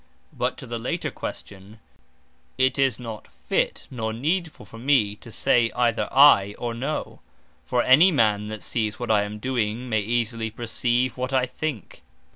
But to the later question, it is not fit, nor needfull for me to say either I, or No: for any man that sees what I am doing, may easily perceive what I think.